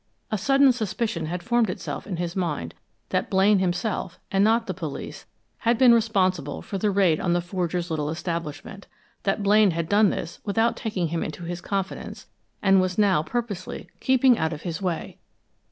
A sudden suspicion had formed itself in his mind that Blaine himself, and not the police, had been responsible for the raid on the forger's little establishment that Blaine had done this without taking him into his confidence and was now purposely keeping out of his way.